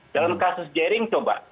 dalam kasus jaring coba